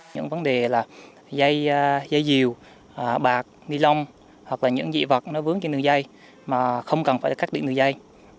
những vấn đề là dây dìu bạc nilon hoặc là những dị vật nó vướng trên nửa dây mà không cần phải khắc định nửa dây